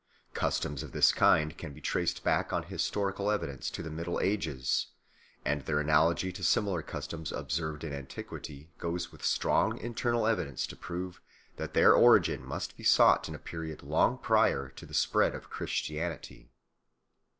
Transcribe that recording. Customs of this kind can be traced back on historical evidence to the Middle Ages, and their analogy to similar customs observed in antiquity goes with strong internal evidence to prove that their origin must be sought in a period long prior to the spread of Christianity.